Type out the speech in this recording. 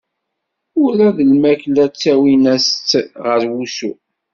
Ula d lmakla ttawin-as-tt ɣer wusu.